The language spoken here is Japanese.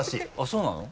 そうなの？